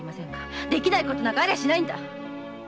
できないことなんかありゃしないんだ！